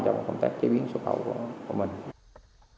trong công tác chế biến xuất khẩu của họ